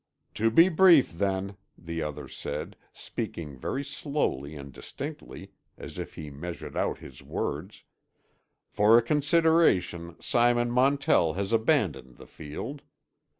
"To be brief, then," the other said, speaking very slowly and distinctly, as if he measured out his words, "for a consideration Simon Montell has abandoned the field.